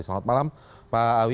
selamat malam pak awi